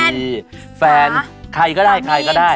มีแฟนใครก็ได้ใครก็ได้